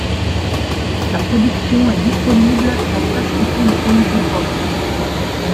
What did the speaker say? Sa production est disponible dans presque tous les pays d'Europe.